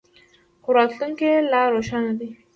خو راتلونکی یې لا روښانه دی.